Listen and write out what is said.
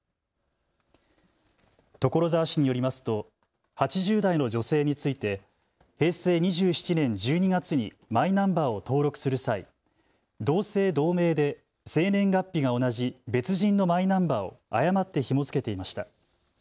所沢市によりますと８０代の女性について平成２７年１２月にマイナンバーを登録する際、同姓同名で生年月日が同じ別人のマイナンバーを誤ってひも付けていました。